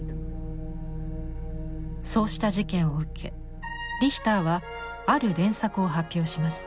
そうした事件を受けリヒターはある連作を発表します。